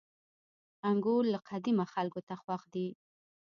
• انګور له قديمه خلکو ته خوښ دي.